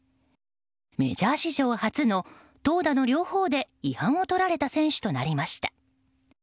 メジャー史上初の投打の両方で違反を取られた選手となりました。